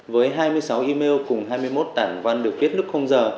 với hai mươi sáu email cùng hai mươi một tản văn được viết lúc giờ